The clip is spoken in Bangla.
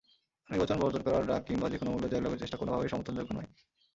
নির্বাচন বর্জন করার ডাক কিংবা যেকোনো মূল্যে জয়লাভের চেষ্টা কোনোভাবেই সমর্থনযোগ্য নয়।